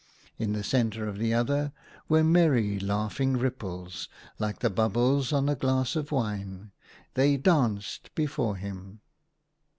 In the centre of the other were merry laughing ripples, like the bubbles on a glass of wine. They danced before him.